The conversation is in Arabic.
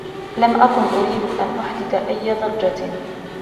لم أكن أريد أن أحدث أية ضجة.